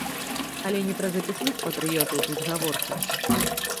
Але не пра запісных патрыётаў тут гаворка.